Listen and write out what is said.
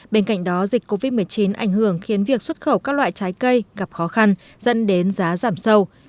bên cạnh đó dịch covid một mươi chín ảnh hưởng khiến việc xuất khẩu các loại trái cây gặp khó khăn dẫn đến giá giảm sâu